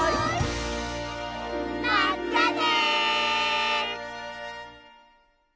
まったね！